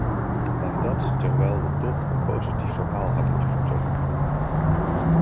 En dat terwijl we toch een positief verhaal hebben te vertellen.